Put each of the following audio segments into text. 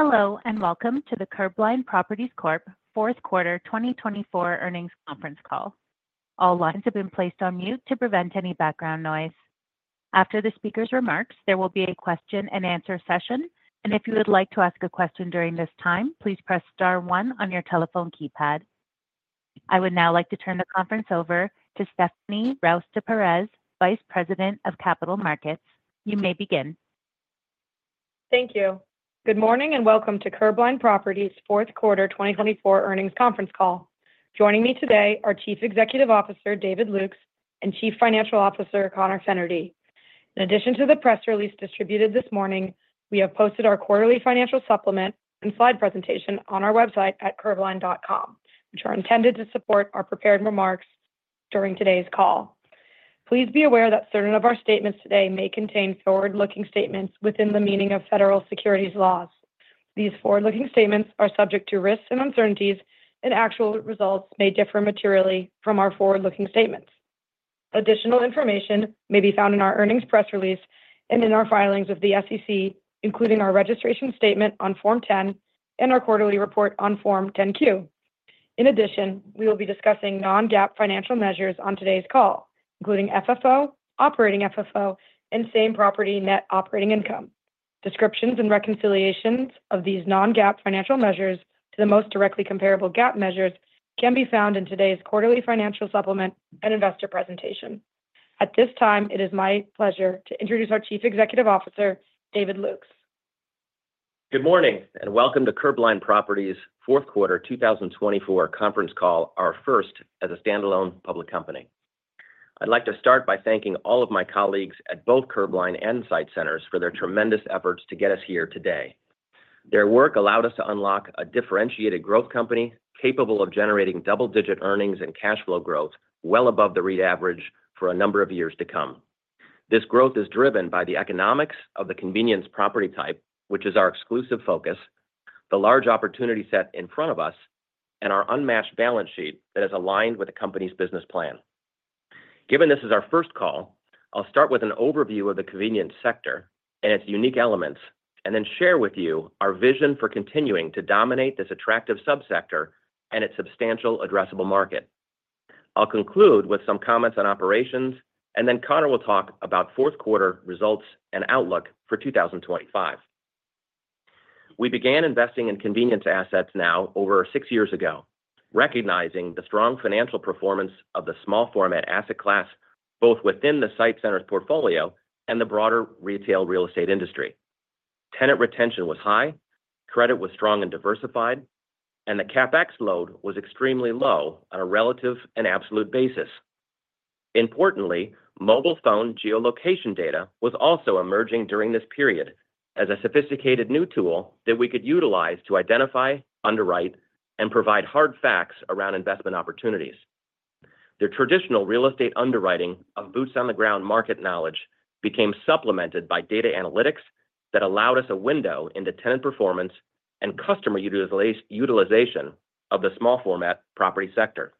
Hello, and welcome to the Curbline Properties Corp. Fourth Quarter 2024 Earnings Conference Call. All lines have been placed on mute to prevent any background noise. After the speaker's remarks, there will be a question-and-answer session, and if you would like to ask a question during this time, please press star one on your telephone keypad. I would now like to turn the conference over to Stephanie Ruys de Perez, Vice President of Capital Markets. You may begin. Thank you. Good morning, and welcome to Curbline Properties Fourth Quarter 2024 Earnings Conference Call. Joining me today are Chief Executive Officer David Lukes and Chief Financial Officer Conor Fennerty. In addition to the press release distributed this morning, we have posted our quarterly financial supplement and slide presentation on our website at curbline.com, which are intended to support our prepared remarks during today's call. Please be aware that certain of our statements today may contain forward-looking statements within the meaning of federal securities laws. These forward-looking statements are subject to risks and uncertainties, and actual results may differ materially from our forward-looking statements. Additional information may be found in our earnings press release and in our filings with the SEC, including our registration statement on Form 10 and our quarterly report on Form 10-Q. In addition, we will be discussing non-GAAP financial measures on today's call, including FFO, operating FFO, and same property net operating income. Descriptions and reconciliations of these non-GAAP financial measures to the most directly comparable GAAP measures can be found in today's quarterly financial supplement and investor presentation. At this time, it is my pleasure to introduce our Chief Executive Officer, David Lukes. Good morning, and welcome to Curbline Properties Fourth Quarter 2024 Conference Call, our first as a standalone public company. I'd like to start by thanking all of my colleagues at both Curbline and SITE Centers for their tremendous efforts to get us here today. Their work allowed us to unlock a differentiated growth company capable of generating double-digit earnings and cash flow growth well above the REIT average for a number of years to come. This growth is driven by the economics of the convenience property type, which is our exclusive focus, the large opportunity set in front of us, and our unmatched balance sheet that has aligned with the company's business plan. Given this is our first call, I'll start with an overview of the convenience sector and its unique elements, and then share with you our vision for continuing to dominate this attractive subsector and its substantial addressable market. I'll conclude with some comments on operations, and then Conor will talk about fourth quarter results and outlook for 2025. We began investing in convenience assets now over six years ago, recognizing the strong financial performance of the small-format asset class both within the SITE Centers portfolio and the broader retail real estate industry. Tenant retention was high, credit was strong and diversified, and the CapEx load was extremely low on a relative and absolute basis. Importantly, mobile phone geolocation data was also emerging during this period as a sophisticated new tool that we could utilize to identify, underwrite, and provide hard facts around investment opportunities. The traditional real estate underwriting of boots-on-the-ground market knowledge became supplemented by data analytics that allowed us a window into tenant performance and customer utilization of the small-format property sector.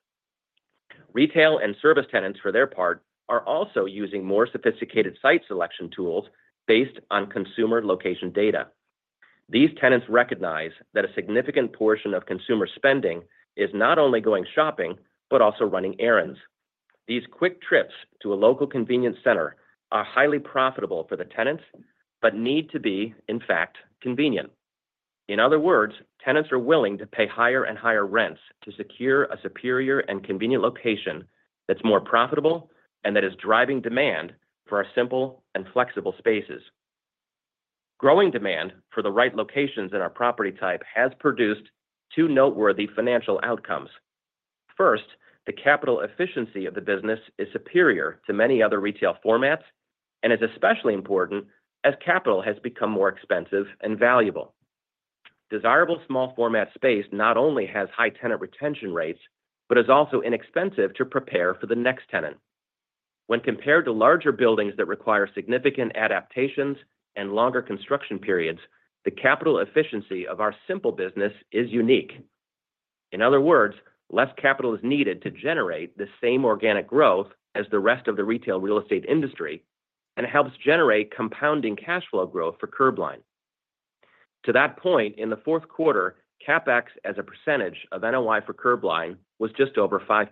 Retail and service tenants, for their part, are also using more sophisticated SITE selection tools based on consumer location data. These tenants recognize that a significant portion of consumer spending is not only going shopping but also running errands. These quick trips to a local convenience center are highly profitable for the tenants but need to be, in fact, convenient. In other words, tenants are willing to pay higher and higher rents to secure a superior and convenient location that's more profitable and that is driving demand for our simple and flexible spaces. Growing demand for the right locations in our property type has produced two noteworthy financial outcomes. First, the capital efficiency of the business is superior to many other retail formats and is especially important as capital has become more expensive and valuable. Desirable small-format space not only has high tenant retention rates but is also inexpensive to prepare for the next tenant. When compared to larger buildings that require significant adaptations and longer construction periods, the capital efficiency of our simple business is unique. In other words, less capital is needed to generate the same organic growth as the rest of the retail real estate industry and helps generate compounding cash flow growth for Curbline. To that point, in the fourth quarter, CapEx as a percentage of NOI for Curbline was just over 5%,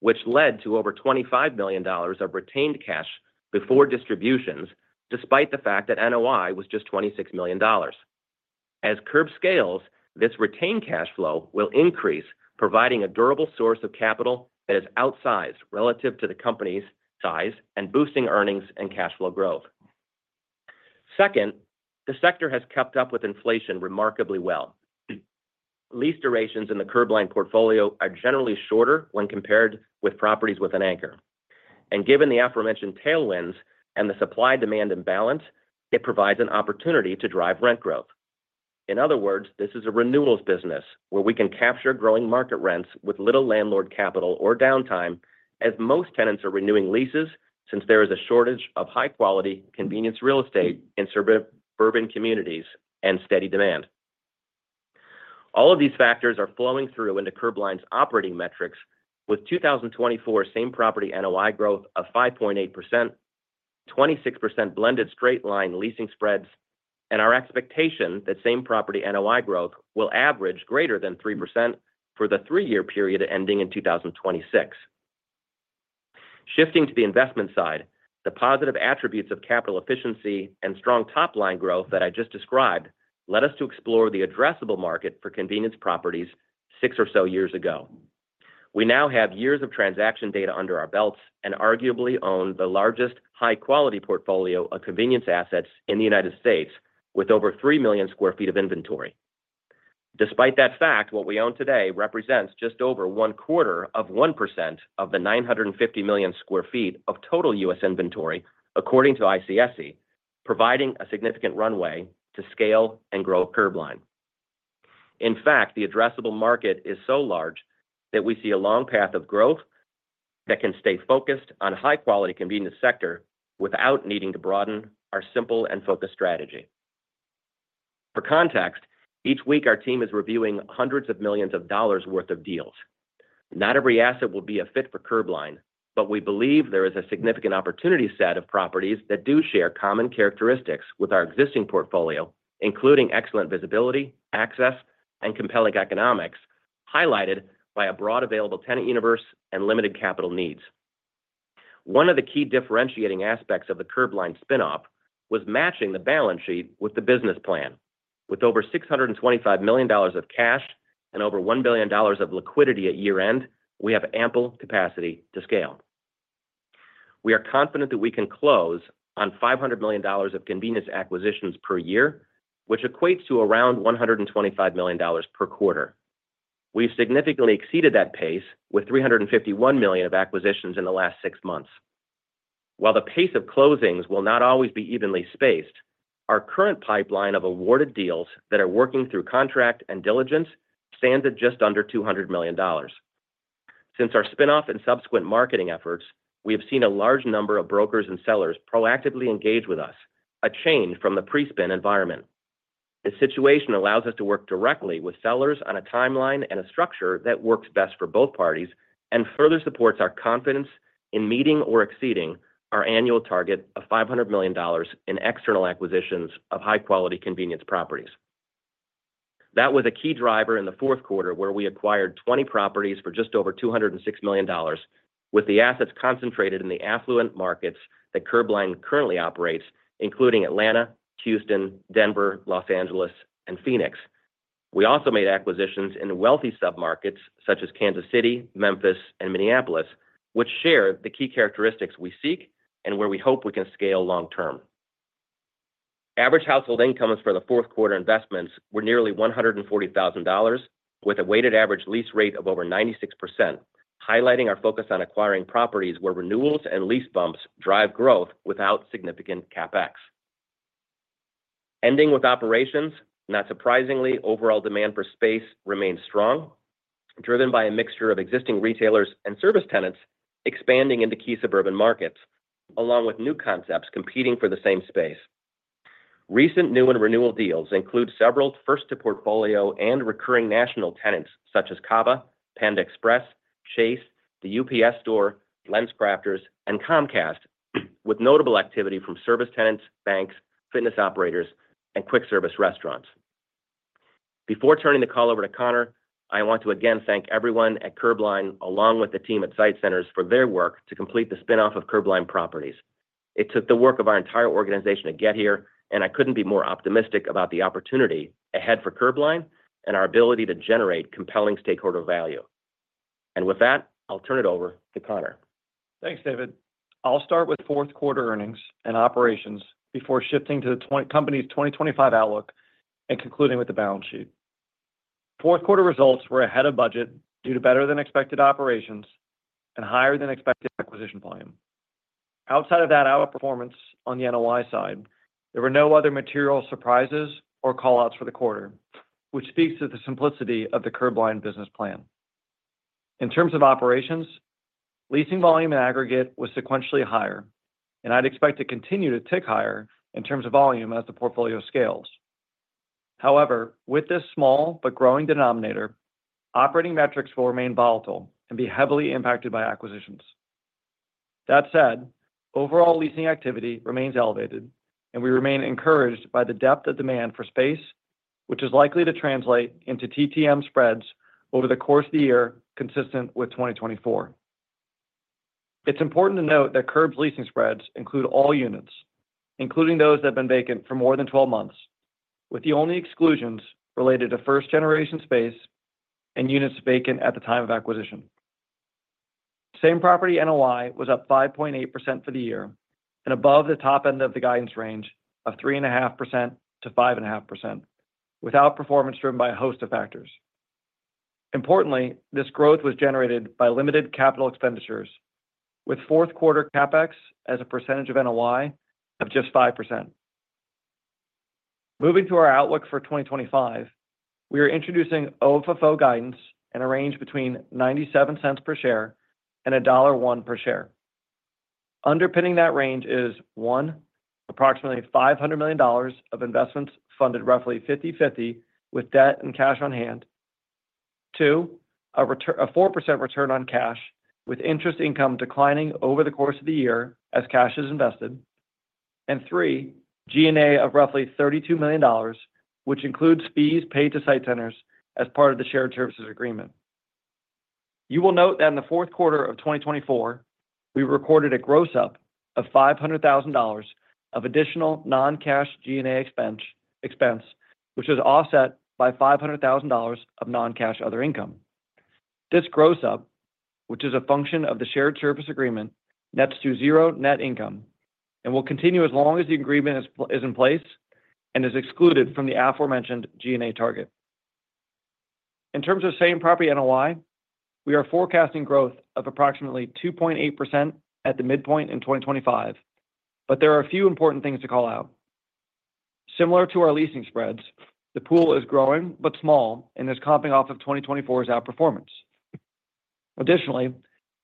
which led to over $25 million of retained cash before distributions, despite the fact that NOI was just $26 million. As Curbline scales, this retained cash flow will increase, providing a durable source of capital that is outsized relative to the company's size and boosting earnings and cash flow growth. Second, the sector has kept up with inflation remarkably well. Lease durations in the Curbline portfolio are generally shorter when compared with properties with an anchor, and given the aforementioned tailwinds and the supply-demand imbalance, it provides an opportunity to drive rent growth. In other words, this is a renewals business where we can capture growing market rents with little landlord capital or downtime, as most tenants are renewing leases since there is a shortage of high-quality convenience real estate in suburban communities and steady demand. All of these factors are flowing through into Curbline's operating metrics, with 2024 same property NOI growth of 5.8%, 26% blended straight-line leasing spreads, and our expectation that same property NOI growth will average greater than 3% for the three-year period ending in 2026. Shifting to the investment side, the positive attributes of capital efficiency and strong top-line growth that I just described led us to explore the addressable market for convenience properties six or so years ago. We now have years of transaction data under our belts and arguably own the largest high-quality portfolio of convenience assets in the United States, with over three million sq ft of inventory. Despite that fact, what we own today represents just over one quarter of 1% of the 950 million sq ft of total U.S inventory, according to ICSC, providing a significant runway to scale and grow Curbline. In fact, the addressable market is so large that we see a long path of growth that can stay focused on high-quality convenience sector without needing to broaden our simple and focused strategy. For context, each week our team is reviewing hundreds of millions of dollars' worth of deals. Not every asset will be a fit for Curbline, but we believe there is a significant opportunity set of properties that do share common characteristics with our existing portfolio, including excellent visibility, access, and compelling economics, highlighted by a broad available tenant universe and limited capital needs. One of the key differentiating aspects of the Curbline spinoff was matching the balance sheet with the business plan. With over $625 million of cash and over $1 billion of liquidity at year-end, we have ample capacity to scale. We are confident that we can close on $500 million of convenience acquisitions per year, which equates to around $125 million per quarter. We've significantly exceeded that pace with $351 million of acquisitions in the last six months. While the pace of closings will not always be evenly spaced, our current pipeline of awarded deals that are working through contract and diligence stands at just under $200 million. Since our spinoff and subsequent marketing efforts, we have seen a large number of brokers and sellers proactively engage with us, a change from the pre-spin environment. The situation allows us to work directly with sellers on a timeline and a structure that works best for both parties and further supports our confidence in meeting or exceeding our annual target of $500 million in external acquisitions of high-quality convenience properties. That was a key driver in the fourth quarter, where we acquired 20 properties for just over $206 million, with the assets concentrated in the affluent markets that Curbline currently operates, including Atlanta, Houston, Denver, Los Angeles, and Phoenix. We also made acquisitions in wealthy submarkets such as Kansas City, Memphis, and Minneapolis, which share the key characteristics we seek and where we hope we can scale long-term. Average household incomes for the fourth quarter investments were nearly $140,000, with a weighted average lease rate of over 96%, highlighting our focus on acquiring properties where renewals and lease bumps drive growth without significant CapEx. Ending with operations, not surprisingly, overall demand for space remains strong, driven by a mixture of existing retailers and service tenants expanding into key suburban markets, along with new concepts competing for the same space. Recent new and renewal deals include several first-to-portfolio and recurring national tenants such as Cava, Panda Express, Chase, The UPS Store, LensCrafters, and Comcast, with notable activity from service tenants, banks, fitness operators, and quick-service restaurants. Before turning the call over to Conor, I want to again thank everyone at Curbline, along with the team at SITE Centers, for their work to complete the spinoff of Curbline Properties. It took the work of our entire organization to get here, and I couldn't be more optimistic about the opportunity ahead for Curbline and our ability to generate compelling stakeholder value. And with that, I'll turn it over to Conor. Thanks, David. I'll start with fourth quarter earnings and operations before shifting to the company's 2025 outlook and concluding with the balance sheet. Fourth quarter results were ahead of budget due to better-than-expected operations and higher-than-expected acquisition volume. Outside of that out-of-performance on the NOI side, there were no other material surprises or callouts for the quarter, which speaks to the simplicity of the Curbline business plan. In terms of operations, leasing volume in aggregate was sequentially higher, and I'd expect to continue to tick higher in terms of volume as the portfolio scales. However, with this small but growing denominator, operating metrics will remain volatile and be heavily impacted by acquisitions. That said, overall leasing activity remains elevated, and we remain encouraged by the depth of demand for space, which is likely to translate into TTM spreads over the course of the year consistent with 2024. It's important to note that Curb's leasing spreads include all units, including those that have been vacant for more than 12 months, with the only exclusions related to first-generation space and units vacant at the time of acquisition. Same-Property NOI was up 5.8% for the year and above the top end of the guidance range of 3.5%-5.5%, with outperformance driven by a host of factors. Importantly, this growth was generated by limited capital expenditures, with fourth quarter CapEx as a percentage of NOI of just 5%. Moving to our outlook for 2025, we are introducing OFFO guidance in a range between $0.97 per share and $1 per share. Underpinning that range is one, approximately $500 million of investments funded roughly 50/50 with debt and cash on hand. Two, a 4% return on cash with interest income declining over the course of the year as cash is invested. And three, G&A of roughly $32 million, which includes fees paid to SITE Centers as part of the shared services agreement. You will note that in the fourth quarter of 2024, we recorded a gross-up of $500,000 of additional non-cash G&A expense, which was offset by $500,000 of non-cash other income. This gross-up, which is a function of the shared service agreement, nets to zero net income and will continue as long as the agreement is in place and is excluded from the aforementioned G&A target. In terms of Same Property NOI, we are forecasting growth of approximately 2.8% at the midpoint in 2025, but there are a few important things to call out. Similar to our leasing spreads, the pool is growing but small and is comping off of 2024's outperformance. Additionally,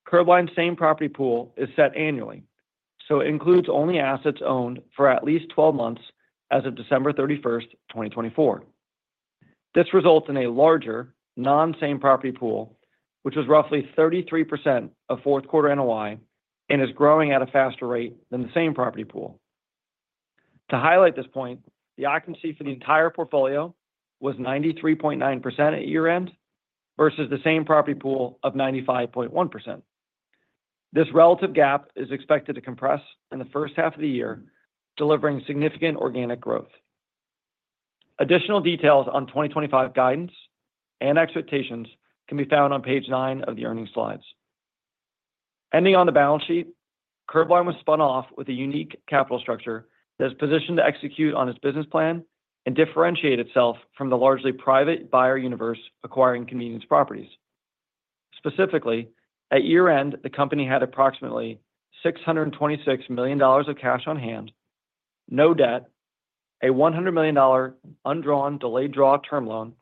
Curbline's same property pool is set annually, so it includes only assets owned for at least 12 months as of December 31, 2024. This results in a larger non-same property pool, which was roughly 33% of fourth quarter NOI and is growing at a faster rate than the same property pool. To highlight this point, the occupancy for the entire portfolio was 93.9% at year-end versus the same property pool of 95.1%. This relative gap is expected to compress in the first half of the year, delivering significant organic growth. Additional details on 2025 guidance and expectations can be found on page nine of the earnings slides. Ending on the balance sheet, Curbline was spun off with a unique capital structure that is positioned to execute on its business plan and differentiate itself from the largely private buyer universe acquiring convenience properties. Specifically, at year-end, the company had approximately $626 million of cash on hand, no debt, a $100 million undrawn delayed draw term loan,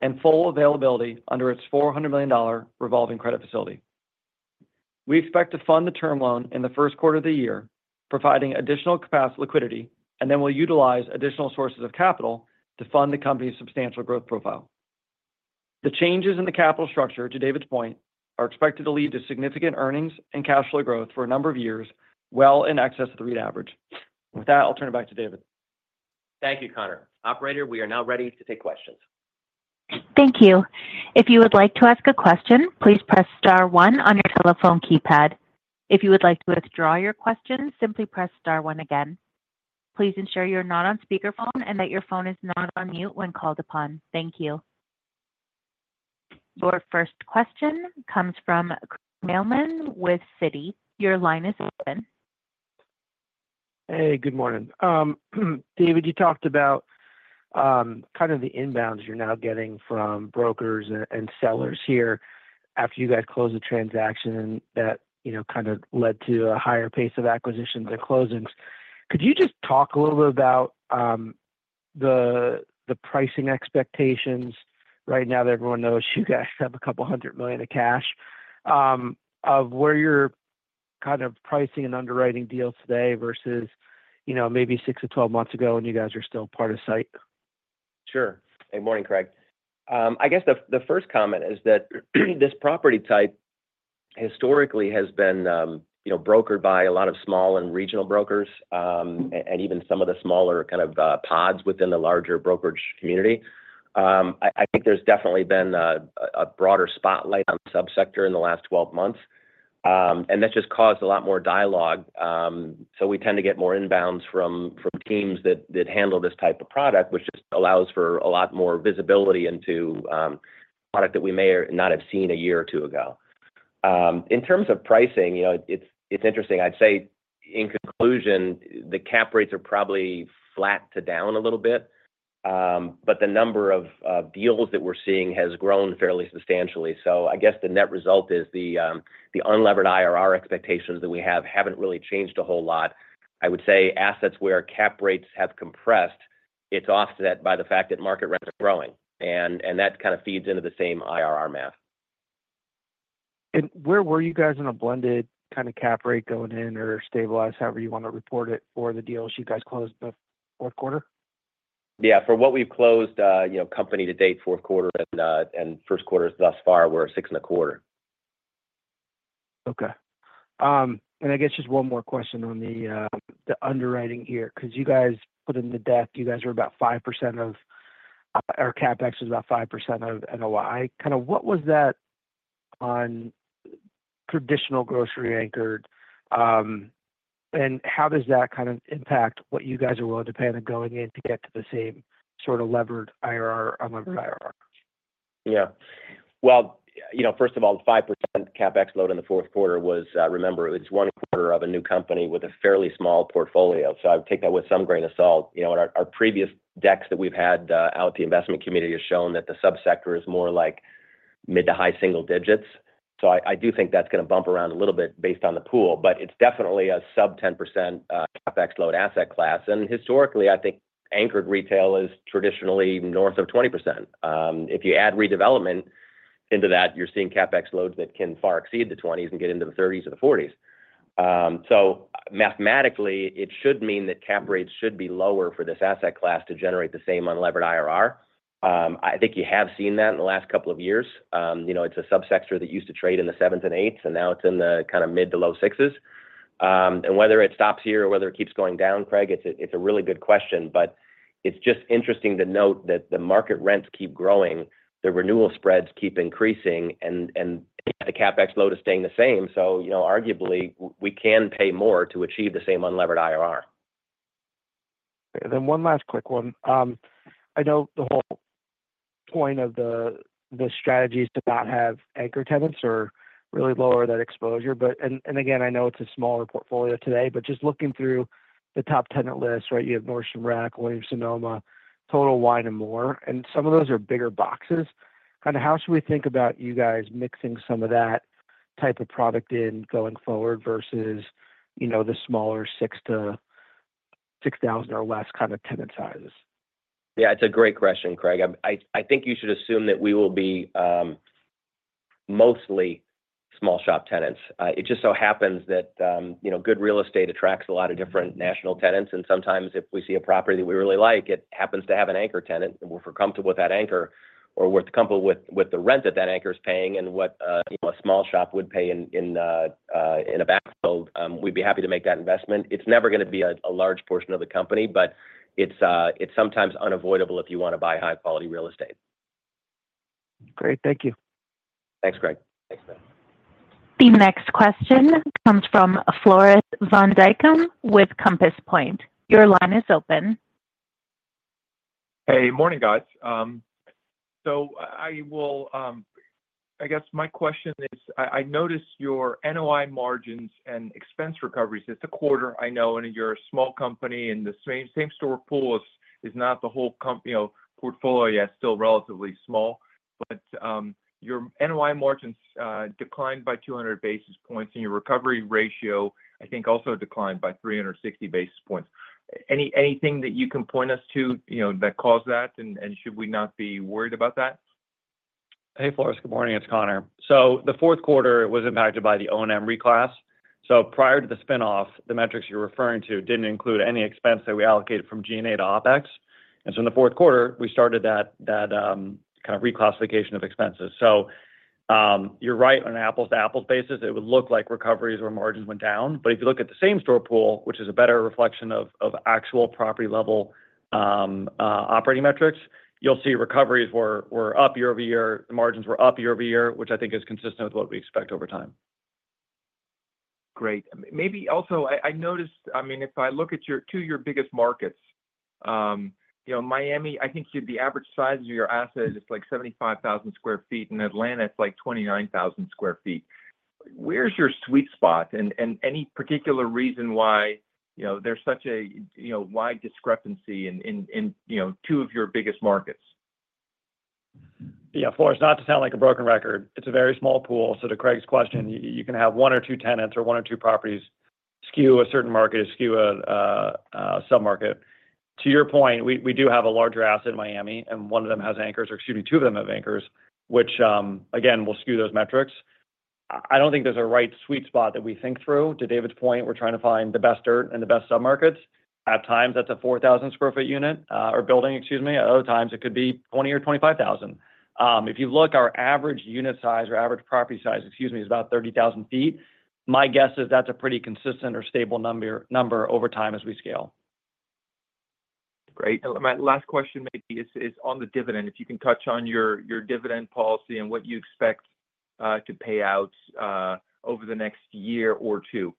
and full availability under its $400 million revolving credit facility. We expect to fund the term loan in the first quarter of the year, providing additional liquidity, and then we'll utilize additional sources of capital to fund the company's substantial growth profile. The changes in the capital structure, to David's point, are expected to lead to significant earnings and cash flow growth for a number of years, well in excess of the REIT average. With that, I'll turn it back to David. Thank you, Conor. Operator, we are now ready to take questions. Thank you. If you would like to ask a question, please press star one on your telephone keypad. If you would like to withdraw your question, simply press star one again. Please ensure you're not on speakerphone and that your phone is not on mute when called upon. Thank you. Your first question comes from Craig Mailman with Citi. Your line is open. Hey, good morning. David, you talked about kind of the inbounds you're now getting from brokers and sellers here after you guys closed the transaction that kind of led to a higher pace of acquisitions and closings. Could you just talk a little bit about the pricing expectations right now that everyone knows you guys have a couple hundred million of cash, of where you're kind of pricing and underwriting deals today versus maybe six to 12 months ago when you guys were still part of SITE? Sure. Hey, morning, Craig. I guess the first comment is that this property type historically has been brokered by a lot of small and regional brokers and even some of the smaller kind of pods within the larger brokerage community. I think there's definitely been a broader spotlight on the subsector in the last 12 months, and that just caused a lot more dialogue, so we tend to get more inbounds from teams that handle this type of product, which just allows for a lot more visibility into product that we may not have seen a year or two ago. In terms of pricing, it's interesting. I'd say, in conclusion, the cap rates are probably flat to down a little bit, but the number of deals that we're seeing has grown fairly substantially. So I guess the net result is the unlevered IRR expectations that we have haven't really changed a whole lot. I would say assets where cap rates have compressed, it's offset by the fact that market rents are growing, and that kind of feeds into the same IRR math. Where were you guys in a blended kind of cap rate going in or stabilized, however you want to report it, for the deals you guys closed the fourth quarter? Yeah. For what we've closed, company-wide to date, fourth quarter and first quarter thus far, we're 6.25. Okay. And I guess just one more question on the underwriting here, because you guys put in the debt, you guys were about 5% or CapEx was about 5% of NOI. Kind of, what was that on traditional grocery-anchored, and how does that kind of impact what you guys are willing to pay on going in to get to the same sort of levered IRR, unlevered IRR? Yeah. Well, first of all, the 5% CapEx load in the fourth quarter was, remember, it's one quarter of a new company with a fairly small portfolio. So I would take that with some grain of salt. Our previous decks that we've had out at the investment community have shown that the subsector is more like mid to high single digits. So I do think that's going to bump around a little bit based on the pool, but it's definitely a sub-10% CapEx load asset class. And historically, I think anchored retail is traditionally north of 20%. If you add redevelopment into that, you're seeing CapEx loads that can far exceed the 20s and get into the 30s or the 40s. So mathematically, it should mean that cap rates should be lower for this asset class to generate the same unlevered IRR. I think you have seen that in the last couple of years. It's a subsector that used to trade in the seventh and eighth, and now it's in the kind of mid to low sixes. And whether it stops here or whether it keeps going down, Craig, it's a really good question, but it's just interesting to note that the market rents keep growing, the renewal spreads keep increasing, and the CapEx load is staying the same, so arguably, we can pay more to achieve the same unlevered IRR. Okay. Then one last quick one. I know the whole point of the strategy is to not have anchor tenants or really lower that exposure. And again, I know it's a smaller portfolio today, but just looking through the top tenant list, right, you have Nordstrom Rack, Williams-Sonoma, Total Wine & More, and some of those are bigger boxes. Kind of how should we think about you guys mixing some of that type of product in going forward versus the smaller 6,000 or less kind of tenant sizes? Yeah, it's a great question, Craig. I think you should assume that we will be mostly small shop tenants. It just so happens that good real estate attracts a lot of different national tenants, and sometimes if we see a property that we really like, it happens to have an anchor tenant, and we're comfortable with that anchor or we're comfortable with the rent that that anchor is paying and what a small shop would pay in a backfill, we'd be happy to make that investment. It's never going to be a large portion of the company, but it's sometimes unavoidable if you want to buy high-quality real estate. Great. Thank you. Thanks, Craig. The next question comes from Floris van Dijkum with Compass Point. Your line is open. Hey, morning, guys. So I guess my question is, I noticed your NOI margins and expense recoveries this quarter, I know, and you're a small company, and the same store pool is not the whole portfolio. Yeah, it's still relatively small, but your NOI margins declined by 200 basis points, and your recovery ratio, I think, also declined by 360 basis points. Anything that you can point us to that caused that, and should we not be worried about that? Hey, Floris. Good morning. It's Conor. So the fourth quarter was impacted by the O&M reclass. So prior to the spinoff, the metrics you're referring to didn't include any expense that we allocated from G&A to OPEX. And so in the fourth quarter, we started that kind of reclassification of expenses. So you're right on an apples-to-apples basis. It would look like recoveries or margins went down. But if you look at the same store pool, which is a better reflection of actual property-level operating metrics, you'll see recoveries were up year over year. The margins were up year over year, which I think is consistent with what we expect over time. Great. Maybe also, I noticed, I mean, if I look at two of your biggest markets, Miami, I think the average size of your asset is like 75,000sq ft, and Atlanta is like 29,000sq ft. Where's your sweet spot? And any particular reason why there's such a wide discrepancy in two of your biggest markets? Yeah. Floris, not to sound like a broken record, it's a very small pool. So to Craig's question, you can have one or two tenants or one or two properties skew a certain market or skew a submarket. To your point, we do have a larger asset in Miami, and one of them has anchors, or excuse me, two of them have anchors, which, again, will skew those metrics. I don't think there's a right sweet spot that we think through. To David's point, we're trying to find the best dirt and the best submarkets. At times, that's a 4,000sq-ft unit or building, excuse me. At other times, it could be 20,000 or 25,000. If you look, our average unit size or average property size, excuse me, is about 30,000sq ft. My guess is that's a pretty consistent or stable number over time as we scale. Great. My last question maybe is on the dividend. If you can touch on your dividend policy and what you expect to pay out over the next year or two?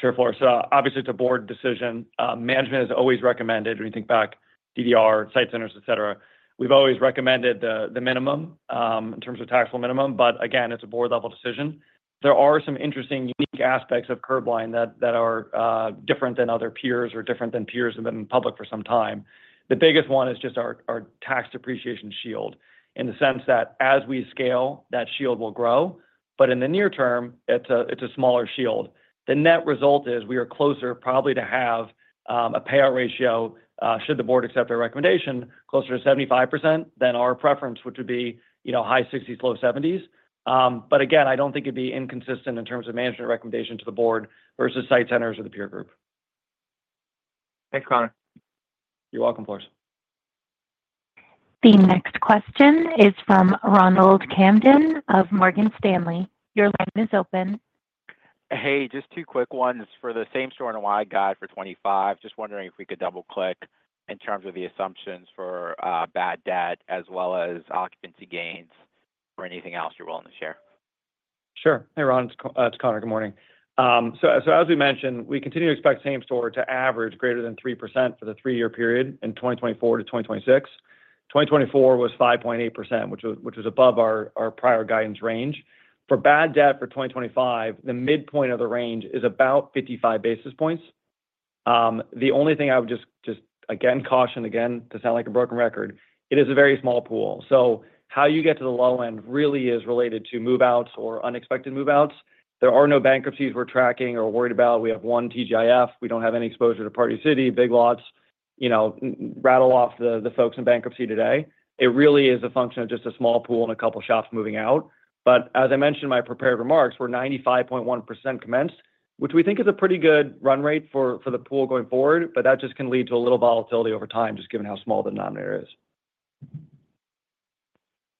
Sure, Floris. Obviously, it's a board decision. Management is always recommended, when you think back, DDR, SITE Centers, etc. We've always recommended the minimum in terms of taxable minimum, but again, it's a board-level decision. There are some interesting unique aspects of Curbline that are different than other peers or different than peers have been public for some time. The biggest one is just our tax depreciation shield in the sense that as we scale, that shield will grow, but in the near term, it's a smaller shield. The net result is we are closer probably to have a payout ratio, should the board accept our recommendation, closer to 75% than our preference, which would be high 60s, low 70s. But again, I don't think it'd be inconsistent in terms of management recommendation to the board versus SITE Centers or the peer group. Thanks, Connor. You're welcome, Floris. The next question is from Ronald Kamdem of Morgan Stanley. Your line is open. Hey, just two quick ones for the same store NOI guide for 2025. Just wondering if we could double-click in terms of the assumptions for bad debt as well as occupancy gains or anything else you're willing to share. Sure. Hey, Ronald. It's Conor. Good morning. So as we mentioned, we continue to expect the same store to average greater than 3% for the three-year period in 2024 to 2026. 2024 was 5.8%, which was above our prior guidance range. For bad debt for 2025, the midpoint of the range is about 55 basis points. The only thing I would just, again, caution again to sound like a broken record, it is a very small pool. So how you get to the low end really is related to move-outs or unexpected move-outs. There are no bankruptcies we're tracking or worried about. We have one TGIF. We don't have any exposure to Party City, Big Lots. Rattle off the folks in bankruptcy today. It really is a function of just a small pool and a couple of shops moving out. But as I mentioned in my prepared remarks, we're 95.1% commenced, which we think is a pretty good run rate for the pool going forward, but that just can lead to a little volatility over time, just given how small the denominator is.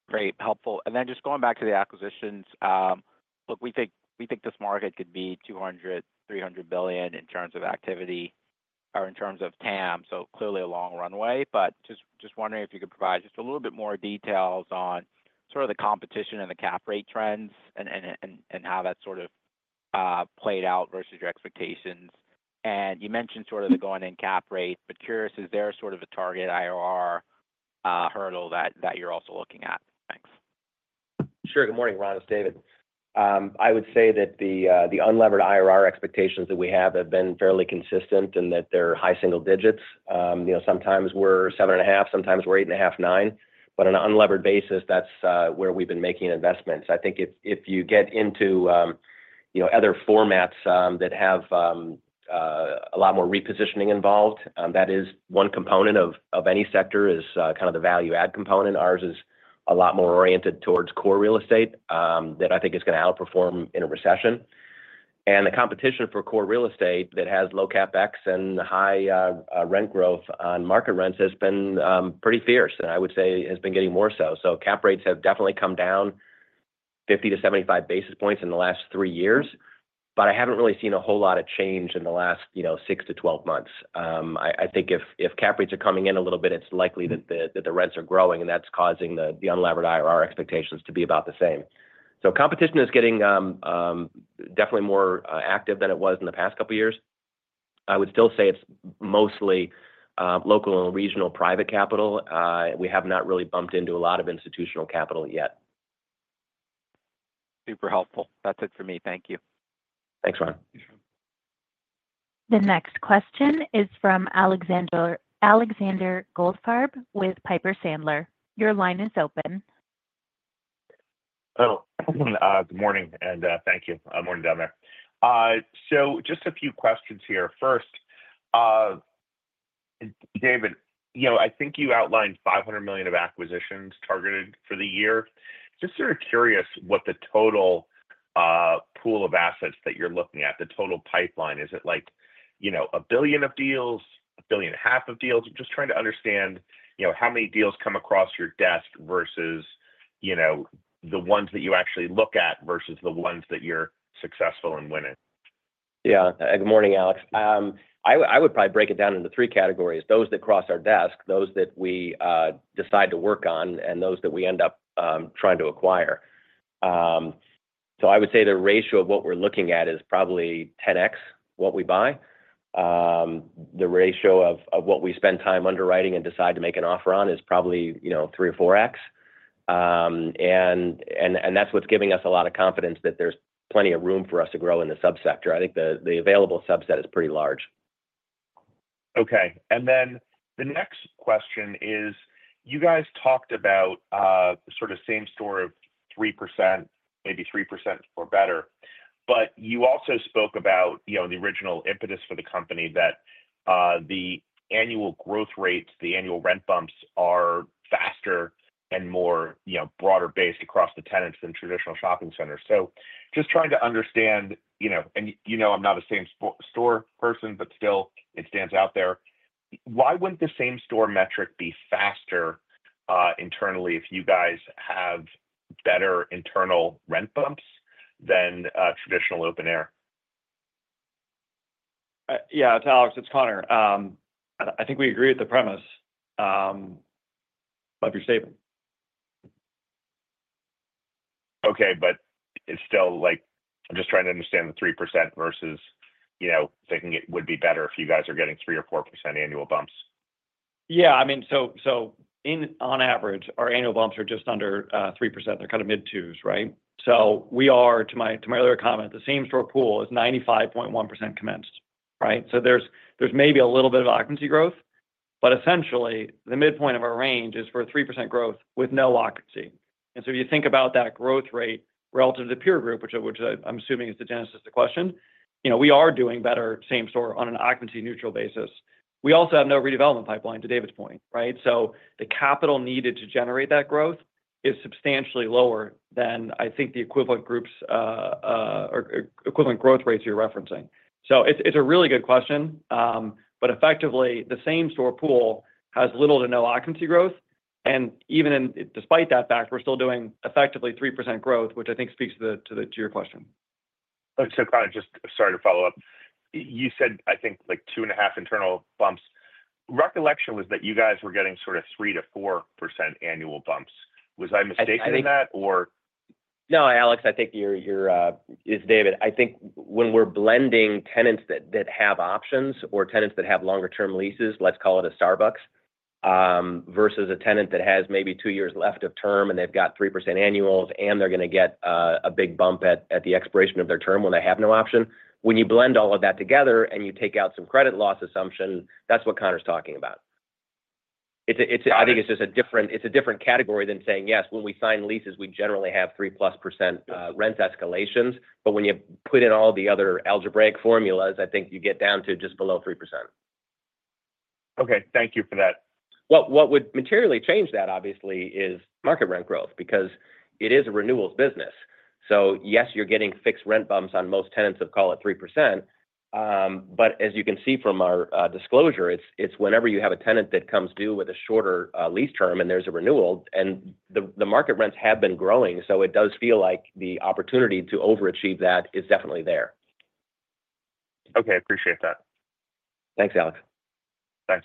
Great. Helpful. And then just going back to the acquisitions, look, we think this market could be 200-300 billion in terms of activity or in terms of TAM. So clearly a long runway, but just wondering if you could provide just a little bit more details on sort of the competition and the cap rate trends and how that sort of played out versus your expectations. And you mentioned sort of the going-in cap rate, but curious, is there sort of a target IRR hurdle that you're also looking at? Thanks. Sure. Good morning, Ronald. It's David. I would say that the unlevered IRR expectations that we have been fairly consistent and that they're high single digits. Sometimes we're 7.5, sometimes we're 8.5, 9. But on an unlevered basis, that's where we've been making investments. I think if you get into other formats that have a lot more repositioning involved, that is one component of any sector is kind of the value-add component. Ours is a lot more oriented towards core real estate that I think is going to outperform in a recession. And the competition for core real estate that has low CapEx and high rent growth on market rents has been pretty fierce, and I would say has been getting more so. So cap rates have definitely come down 50 to 75 basis points in the last three years, but I haven't really seen a whole lot of change in the last six to 12 months. I think if cap rates are coming in a little bit, it's likely that the rents are growing, and that's causing the unlevered IRR expectations to be about the same. Competition is getting definitely more active than it was in the past couple of years. I would still say it's mostly local and regional private capital. We have not really bumped into a lot of institutional capital yet. Super helpful. That's it for me. Thank you. Thanks, Ron. The next question is from Alexander Goldfarb with Piper Sandler. Your line is open. Oh, good morning, and thank you. Morning, down there, so just a few questions here. First, David, I think you outlined $500 million of acquisitions targeted for the year. Just sort of curious what the total pool of assets that you're looking at, the total pipeline. Is it like $1 billion of deals, $1.5 billion of deals? I'm just trying to understand how many deals come across your desk versus the ones that you actually look at versus the ones that you're successful in winning. Yeah. Good morning, Alex. I would probably break it down into three categories: those that cross our desk, those that we decide to work on, and those that we end up trying to acquire. So I would say the ratio of what we're looking at is probably 10x what we buy. The ratio of what we spend time underwriting and decide to make an offer on is probably three or 4x. And that's what's giving us a lot of confidence that there's plenty of room for us to grow in the subsector. I think the available subset is pretty large. Okay. And then the next question is, you guys talked about sort of same store of 3%, maybe 3% or better, but you also spoke about the original impetus for the company that the annual growth rates, the annual rent bumps are faster and more broader-based across the tenants than traditional shopping centers. So just trying to understand, and you know I'm not a same store person, but still, it stands out there. Why wouldn't the same store metric be faster internally if you guys have better internal rent bumps than traditional open-air? Yeah. To Alex, it's Connor. I think we agree with the premise. Love your statement. Okay, but it's still. I'm just trying to understand the 3% versus thinking it would be better if you guys are getting 3 or 4% annual bumps. Yeah. I mean, so on average, our annual bumps are just under 3%. They're kind of mid-twos, right? So we are, to my earlier comment, the same store pool is 95.1% commenced, right? So there's maybe a little bit of occupancy growth, but essentially, the midpoint of our range is for 3% growth with no occupancy. And so if you think about that growth rate relative to the peer group, which I'm assuming is the genesis of the question, we are doing better same store on an occupancy-neutral basis. We also have no redevelopment pipeline, to David's point, right? So the capital needed to generate that growth is substantially lower than I think the equivalent groups or equivalent growth rates you're referencing. So it's a really good question, but effectively, the same store pool has little to no occupancy growth. Even despite that fact, we're still doing effectively 3% growth, which I think speaks to your question. Conor, just sorry to follow up. You said, I think, like two and a half internal bumps. Recollection was that you guys were getting sort of 3%-4% annual bumps. Was I mistaken in that, or? No, Alex, I think you're, it's David. I think when we're blending tenants that have options or tenants that have longer-term leases, let's call it a Starbucks, versus a tenant that has maybe two years left of term and they've got 3% annuals and they're going to get a big bump at the expiration of their term when they have no option. When you blend all of that together and you take out some credit loss assumption, that's what Conor's talking about. I think it's just a different, it's a different category than saying, yes, when we sign leases, we generally have 3-plus% rent escalations. But when you put in all the other algebraic formulas, I think you get down to just below 3%. Okay. Thank you for that. What would materially change that, obviously, is market rent growth because it is a renewals business. So yes, you're getting fixed rent bumps on most tenants of, call it, 3%. But as you can see from our disclosure, it's whenever you have a tenant that comes due with a shorter lease term and there's a renewal, and the market rents have been growing, so it does feel like the opportunity to overachieve that is definitely there. Okay. Appreciate that. Thanks, Alex. Thanks.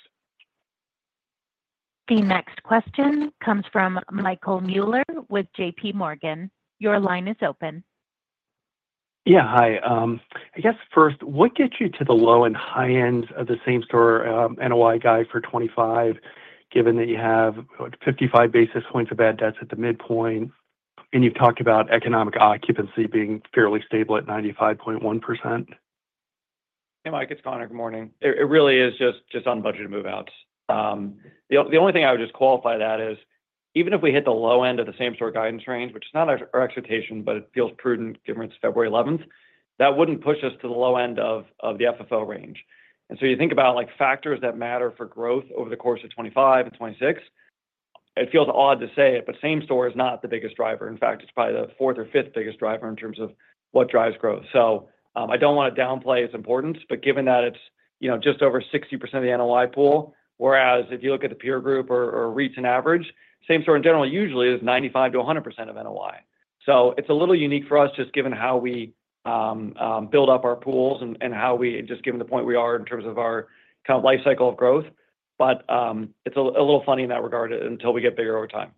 The next question comes from Michael Mueller with JPMorgan. Your line is open. Yeah. Hi. I guess first, what gets you to the low and high ends of the same store NOI guide for 2025, given that you have 55 basis points of bad debts at the midpoint, and you've talked about economic occupancy being fairly stable at 95.1%? Hey, Mike. It's Conor. Good morning. It really is just on budget to move out. The only thing I would just qualify that is even if we hit the low end of the same store guidance range, which is not our expectation, but it feels prudent given it's February 11th, that wouldn't push us to the low end of the FFO range. And so you think about factors that matter for growth over the course of 2025 and 2026, it feels odd to say it, but same store is not the biggest driver. In fact, it's probably the fourth or fifth biggest driver in terms of what drives growth. I don't want to downplay its importance, but given that it's just over 60% of the NOI pool, whereas if you look at the peer group or REIT average, same store in general usually is 95%-100% of NOI. It's a little unique for us just given how we build up our pools, just given the point we are in terms of our kind of life cycle of growth. But it's a little funny in that regard until we get bigger over time.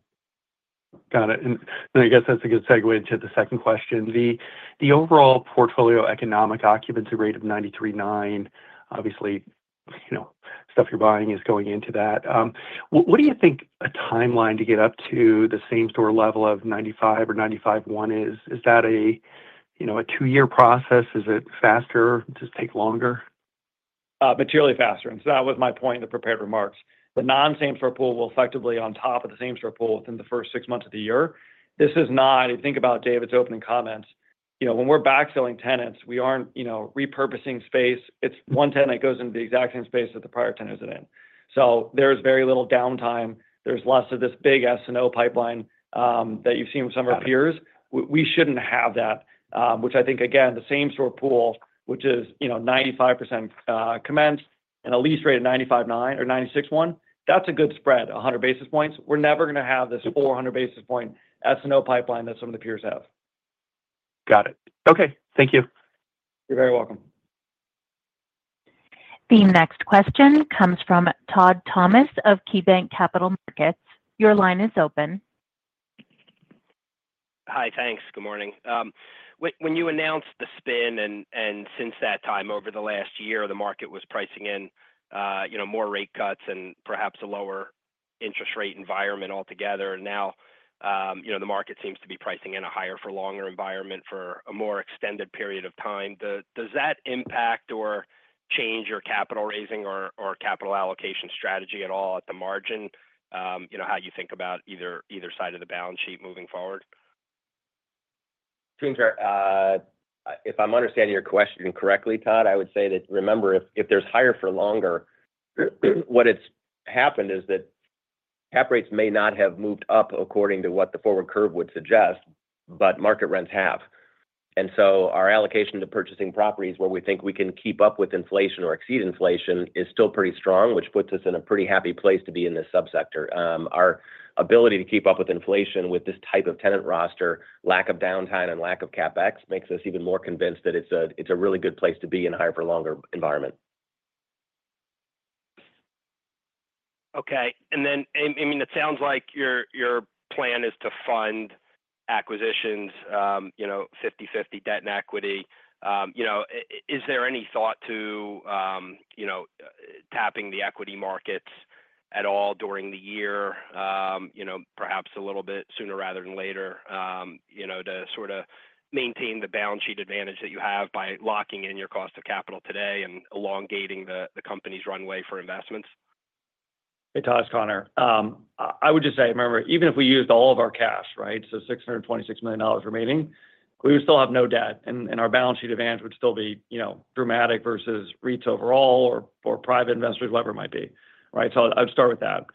Got it. And I guess that's a good segue into the second question. The overall portfolio economic occupancy rate of 93.9%, obviously, stuff you're buying is going into that. What do you think a timeline to get up to the same store level of 95% or 95.1% is? Is that a two-year process? Is it faster? Does it take longer? Materially faster. So that was my point in the prepared remarks. The non-same store pool will effectively be on top of the same store pool within the first six months of the year. This is not - if you think about David's opening comments, when we're backfilling tenants, we aren't repurposing space. It's one tenant that goes into the exact same space that the prior tenant is in. So there is very little downtime. There's less of this big S&O pipeline that you've seen with some of our peers. We shouldn't have that, which I think, again, the same store pool, which is 95% commenced and a lease rate of 95.9% or 96.1%, that's a good spread, 100 basis points. We're never going to have this 400 basis point S&O pipeline that some of the peers have. Got it. Okay. Thank you. You're very welcome. The next question comes from Todd Thomas of KeyBank Capital Markets. Your line is open. Hi, thanks. Good morning. When you announced the spin and since that time, over the last year, the market was pricing in more rate cuts and perhaps a lower interest rate environment altogether. And now the market seems to be pricing in a higher-for-longer environment for a more extended period of time. Does that impact or change your capital raising or capital allocation strategy at all at the margin, how you think about either side of the balance sheet moving forward? If I'm understanding your question correctly, Todd, I would say that, remember, if there's higher-for-longer, what has happened is that cap rates may not have moved up according to what the forward curve would suggest, but market rents have, and so our allocation to purchasing properties where we think we can keep up with inflation or exceed inflation is still pretty strong, which puts us in a pretty happy place to be in this subsector. Our ability to keep up with inflation with this type of tenant roster, lack of downtime, and lack of CapEx makes us even more convinced that it's a really good place to be in a higher-for-longer environment. Okay. And then, I mean, it sounds like your plan is to fund acquisitions, 50/50 debt and equity. Is there any thought to tapping the equity markets at all during the year, perhaps a little bit sooner rather than later, to sort of maintain the balance sheet advantage that you have by locking in your cost of capital today and elongating the company's runway for investments? Hey, Todd, it's Conor. I would just say, remember, even if we used all of our cash, right, so $626 million remaining, we would still have no debt, and our balance sheet advantage would still be dramatic versus REITs overall or private investors, whatever it might be, right? So I'd start with that.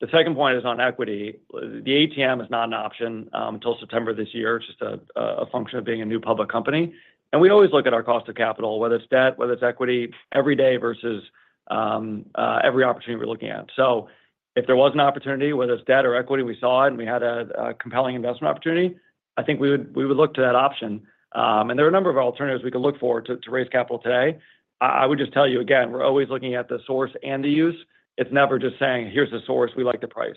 The second point is on equity. The ATM is not an option until September of this year, just a function of being a new public company. And we always look at our cost of capital, whether it's debt, whether it's equity, every day versus every opportunity we're looking at. So if there was an opportunity, whether it's debt or equity, we saw it, and we had a compelling investment opportunity, I think we would look to that option. And there are a number of alternatives we could look for to raise capital today. I would just tell you again, we're always looking at the source and the use. It's never just saying, "Here's the source. We like the price."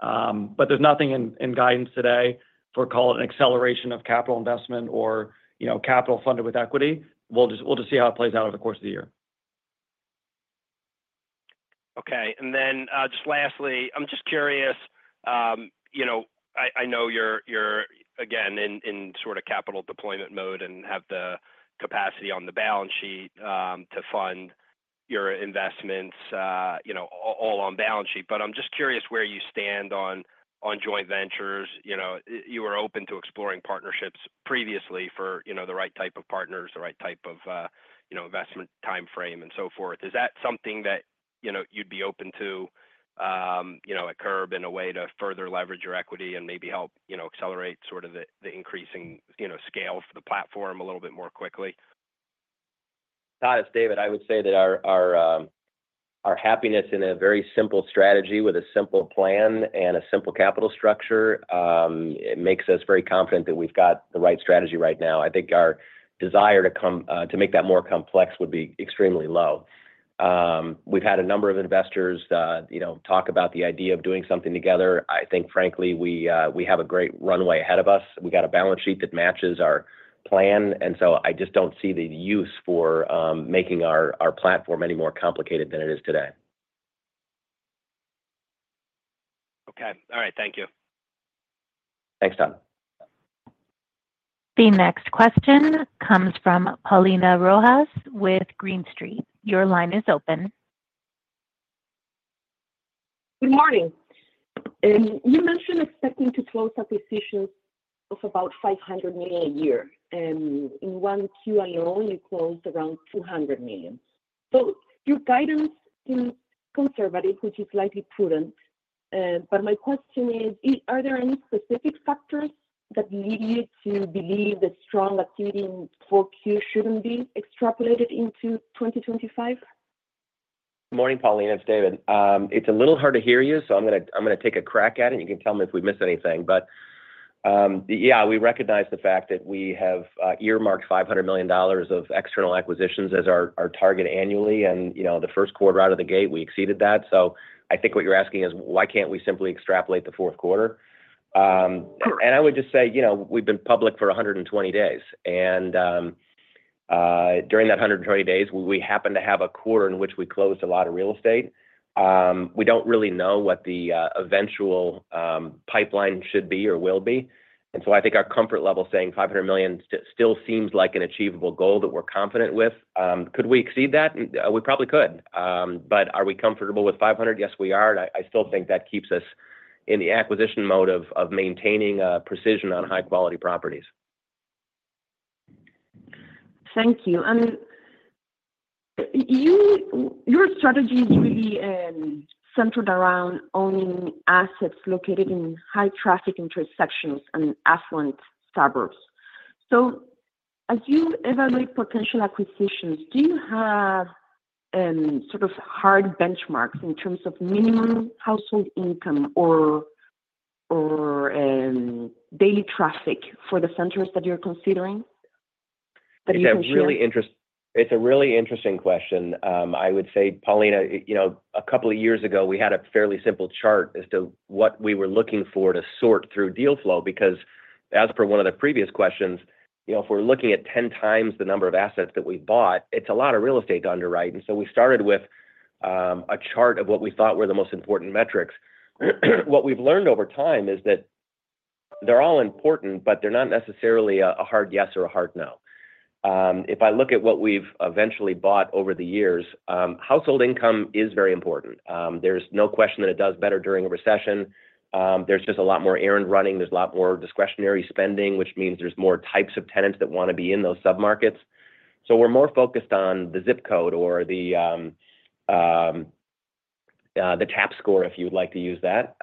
But there's nothing in guidance today for, call it, an acceleration of capital investment or capital funded with equity. We'll just see how it plays out over the course of the year. Okay. And then just lastly, I'm just curious. I know you're, again, in sort of capital deployment mode and have the capacity on the balance sheet to fund your investments all on balance sheet. But I'm just curious where you stand on joint ventures. You were open to exploring partnerships previously for the right type of partners, the right type of investment timeframe, and so forth. Is that something that you'd be open to at CRB in a way to further leverage your equity and maybe help accelerate sort of the increasing scale for the platform a little bit more quickly? Todd, it's David. I would say that our happiness in a very simple strategy with a simple plan and a simple capital structure makes us very confident that we've got the right strategy right now. I think our desire to make that more complex would be extremely low. We've had a number of investors talk about the idea of doing something together. I think, frankly, we have a great runway ahead of us. We've got a balance sheet that matches our plan. And so I just don't see the use for making our platform any more complicated than it is today. Okay. All right. Thank you. Thanks, Todd. The next question comes from Paulina Rojas with Green Street. Your line is open. Good morning. You mentioned expecting to close acquisitions of about $500 million a year. And in one S&O, you closed around $200 million. So your guidance seems conservative, which is slightly prudent. But my question is, are there any specific factors that lead you to believe the strong activity in 4Q shouldn't be extrapolated into 2025? Good morning, Paulina. It's David. It's a little hard to hear you, so I'm going to take a crack at it, and you can tell me if we missed anything, but yeah, we recognize the fact that we have earmarked $500 million of external acquisitions as our target annually, and the first quarter out of the gate, we exceeded that, so I think what you're asking is, why can't we simply extrapolate the fourth quarter, and I would just say we've been public for 120 days, and during that 120 days, we happen to have a quarter in which we closed a lot of real estate. We don't really know what the eventual pipeline should be or will be, and so I think our comfort level saying $500 million still seems like an achievable goal that we're confident with. Could we exceed that? We probably could. But are we comfortable with 500? Yes, we are. And I still think that keeps us in the acquisition mode of maintaining precision on high-quality properties. Thank you. Your strategy is really centered around owning assets located in high-traffic intersections and affluent suburbs. So as you evaluate potential acquisitions, do you have sort of hard benchmarks in terms of minimum household income or daily traffic for the centers that you're considering? It's a really interesting question. I would say, Paulina, a couple of years ago, we had a fairly simple chart as to what we were looking for to sort through deal flow because, as per one of the previous questions, if we're looking at 10 times the number of assets that we've bought, it's a lot of real estate to underwrite, and so we started with a chart of what we thought were the most important metrics. What we've learned over time is that they're all important, but they're not necessarily a hard yes or a hard no. If I look at what we've eventually bought over the years, household income is very important. There's no question that it does better during a recession. There's just a lot more errand running. There's a lot more discretionary spending, which means there's more types of tenants that want to be in those submarkets. So we're more focused on the ZIP code or the TAP Score, if you would like to use that,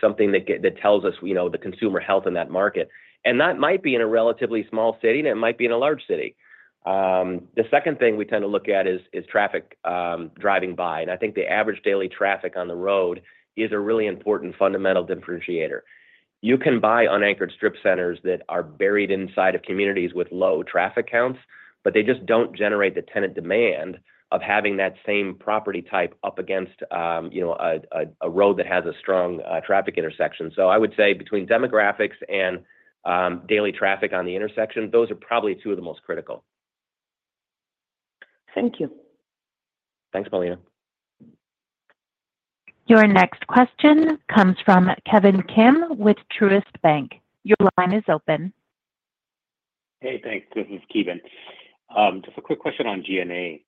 something that tells us the consumer health in that market. And that might be in a relatively small city, and it might be in a large city. The second thing we tend to look at is traffic driving by. And I think the average daily traffic on the road is a really important fundamental differentiator. You can buy unanchored strip centers that are buried inside of communities with low traffic counts, but they just don't generate the tenant demand of having that same property type up against a road that has a strong traffic intersection. So I would say between demographics and daily traffic on the intersection, those are probably two of the most critical. Thank you. Thanks, Paulina. Your next question comes from Ki Bin Kim with Truist Bank. Your line is open. Hey, thanks. This is Keegan. Just a quick question on G&A.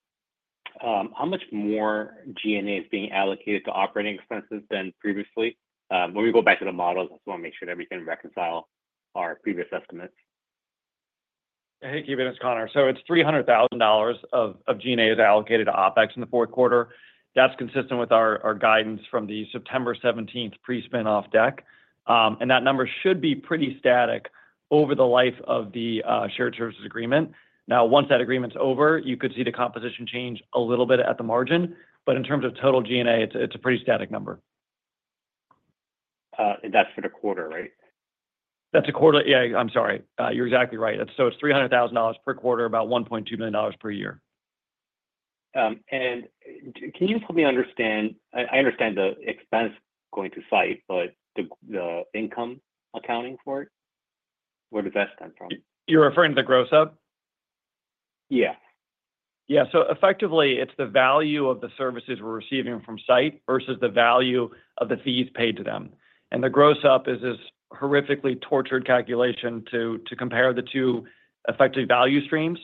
How much more G&A is being allocated to operating expenses than previously? Let me go back to the models. I just want to make sure that we can reconcile our previous estimates. Hey, Keegan. It's Connor. So it's $300,000 of G&A that is allocated to OpEx in the fourth quarter. That's consistent with our guidance from the September 17th pre-spinoff deck. And that number should be pretty static over the life of the shared services agreement. Now, once that agreement's over, you could see the composition change a little bit at the margin. But in terms of total G&A, it's a pretty static number. And that's for the quarter, right? That's a quarter. Yeah, I'm sorry. You're exactly right. So it's $300,000 per quarter, about $1.2 million per year. Can you help me understand? I understand the expense going to SITE, but the income accounting for it? Where does that stem from? You're referring to the gross-up? Yeah. Yeah. So effectively, it's the value of the services we're receiving from SITE versus the value of the fees paid to them. And the gross-up is this horrifically tortured calculation to compare the two effective value streams.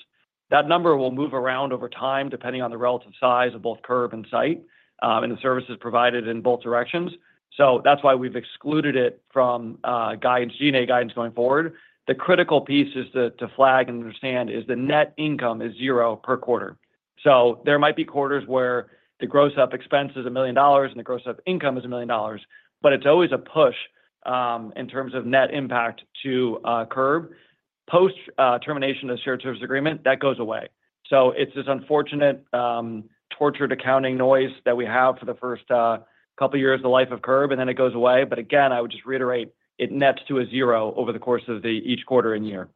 That number will move around over time depending on the relative size of both Curbline and SITE and the services provided in both directions. So that's why we've excluded it from G&A guidance going forward. The critical piece to flag and understand is the net income is zero per quarter. So there might be quarters where the gross-up expense is $1 million and the gross-up income is $1 million. But it's always a push in terms of net impact to Curbline. Post-termination of the shared service agreement, that goes away. So it's this unfortunate tortured accounting noise that we have for the first couple of years of the life of Curb, and then it goes away. But again, I would just reiterate, it nets to a zero over the course of each quarter and year.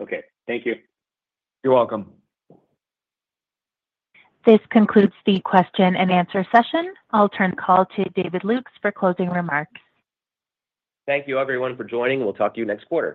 Okay. Thank you. You're welcome. This concludes the question and answer session. I'll turn the call to David Lukes for closing remarks. Thank you, everyone, for joining. We'll talk to you next quarter.